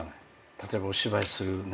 例えばお芝居する中で。